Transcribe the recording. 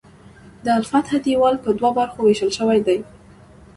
د الفتح دیوال په دوو برخو ویشل شوی دی.